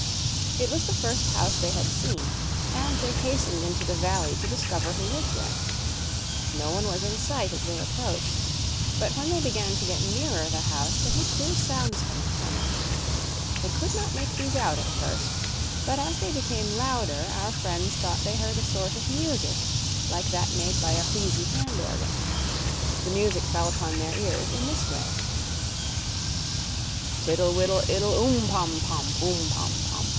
It was the first house they had seen, and they hastened into the valley to discover who lived there. No one was in sight as they approached, but when they began to get nearer the house they heard queer sounds coming from it. They could not make these out at first, but as they became louder our friends thought they heard a sort of music like that made by a wheezy hand organ; the music fell upon their ears in this way: Tiddle widdle iddle oom pom pom! Oom, pom pom!